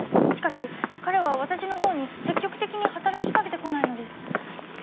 しかし彼は私の方に積極的に働きかけてこないのです。